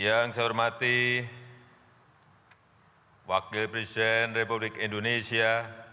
yang saya hormati wakil presiden republik indonesia